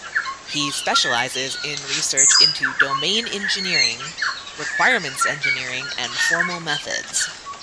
He specializes in research into domain engineering, requirements engineering and formal methods.